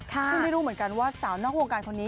ซึ่งไม่รู้เหมือนกันว่าสาวนอกวงการคนนี้